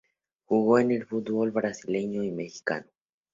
Jugó en el fútbol brasileño y mexicano.